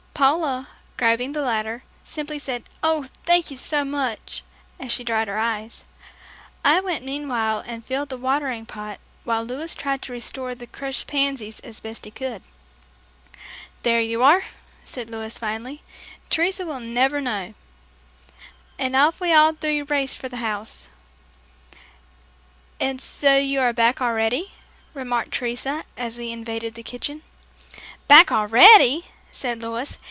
Paula, grabbing the ladder, simply said, "Oh, thank you so much," as she dried her tears. I went meanwhile and filled the watering pot while Louis tried to restore the crushed pansies as best he could. "There you are," said Louis finally, "Teresa will never know." And off we all three raced for the house. "And so you are back already," remarked Teresa as we invaded the kitchen. "Back already!" said Louis.